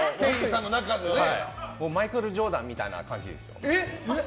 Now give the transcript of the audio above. マイケル・ジョーダンみたいな感じですよ。